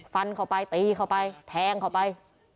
ฟันเข้าไปตีเข้าไปแทงเข้าไป